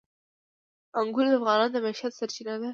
انګور د افغانانو د معیشت سرچینه ده.